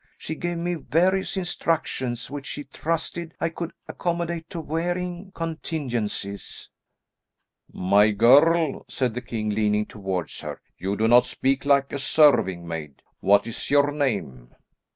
She gave me various instructions, which she trusted I could accommodate to varying contingencies." "My girl," said the king leaning towards her, "you do not speak like a serving maid. What is your name?"